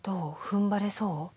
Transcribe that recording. ふんばれそう？